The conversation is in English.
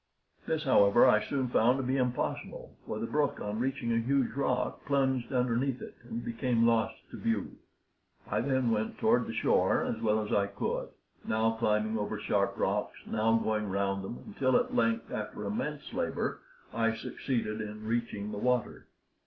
This, however, I soon found to be impossible, for the brook on reaching a huge rock plunged underneath it and became lost to view. I then went toward the shore as well as I could now climbing over sharp rocks, now going round them, until at length after immense labor I succeeded in reaching the water.